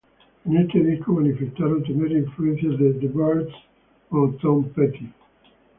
En este disco manifestaron tener influencias de The Byrds o Tom Petty.